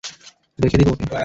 রেখে দিব ওকে।